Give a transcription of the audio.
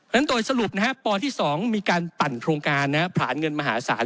โดยสรุปปที่๒มีการปั่นโครงการผลานเงินมหาศาล